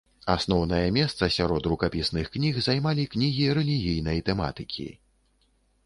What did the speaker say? Асноўнае месца сярод рукапісных кніг займалі кнігі рэлігійнай тэматыкі.